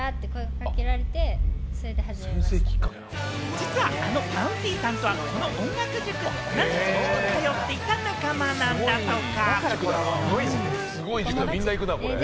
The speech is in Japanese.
実は、あのＶａｕｎｄｙさんとはこの音楽塾に同じ時期に通っていた仲間なんだとか。